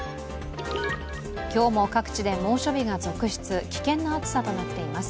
今日も各地で猛暑日が続出危険な暑さとなっています。